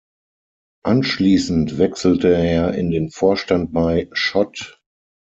Anschließend wechselte er in den Vorstand bei Schott.